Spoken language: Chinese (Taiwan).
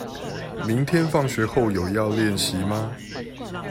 明天放學後有要練習嗎？